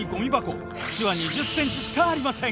口は２０ｃｍしかありません。